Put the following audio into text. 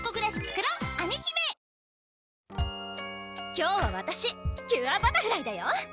今日はわたしキュアバタフライだよ！